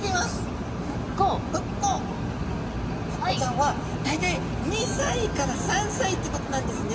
フッコちゃんは大体２歳から３歳ってことなんですね。